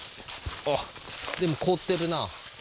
あっでも凍ってるな。